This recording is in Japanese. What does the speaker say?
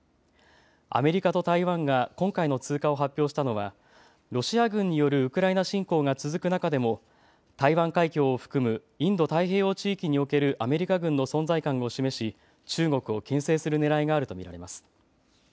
アメリカと台湾が今回の通過を発表したのはロシア軍によるウクライナ侵攻が続く中でも台湾海峡を含むインド太平洋地域におけるアメリカ軍の存在感を示し中国をけん制するねらいがあると見られます。